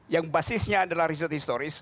yang basisnya adalah riset historis